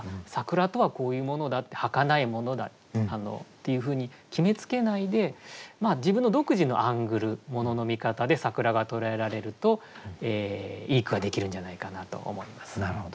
桜とはこういうものだってはかないものだっていうふうに決めつけないで自分の独自のアングルものの見方で桜が捉えられるといい句ができるんじゃないかなと思います。